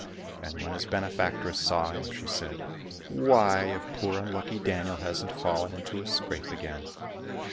And when his benefactress saw him, she said, " Why, if poor unlucky Daniel hasn't fallen into a scrape again."